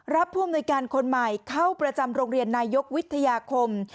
ผู้อำนวยการคนใหม่เข้าประจำโรงเรียนนายกวิทยาคม